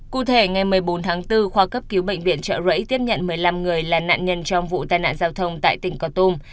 cụ thể ngày một mươi bốn tháng bốn khoa cấp cứu bệnh viện trợ rẫy tiếp nhận một mươi năm người là nạn nhân trong vụ tai nạn giao thông tại tỉnh con tum